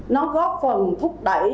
nó góp phần thúc đẩy